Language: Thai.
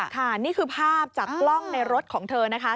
ค่ะนี่คือภาพจากกล้องในรถของเธอนะคะ